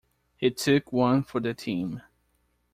He took one for the team.